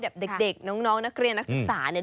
เด็กน้องนักเรียนนักศึกษาเนี่ย